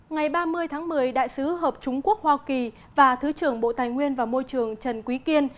ngày ba mươi tháng một mươi đại sứ hợp trung quốc hoa kỳ và thứ trưởng bộ tài nguyên và môi trường trần quý kiên